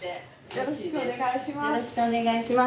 よろしくお願いします。